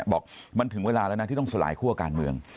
บอกมันถึงเวลาแล้วนะที่ต้องสลายคั่วการเมือง